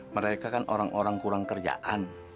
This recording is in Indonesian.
mereka kan orang orang kurang kerjaan